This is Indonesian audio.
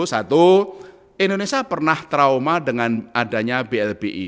satu indonesia pernah trauma dengan adanya blbi